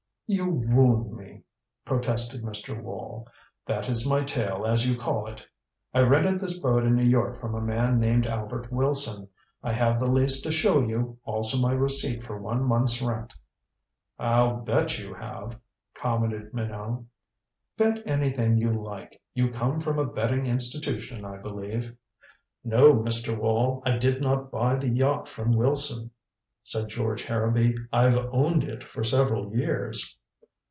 "You wound me," protested Mr. Wall. "That is my tale, as you call it. I rented this boat in New York from a man named Albert Wilson. I have the lease to show you, also my receipt for one month's rent." "I'll bet you have," commented Minot. "Bet anything you like. You come from a betting institution, I believe." "No, Mr. Wall, I did not buy the yacht from Wilson," said George Harrowby. "I've owned it for several years."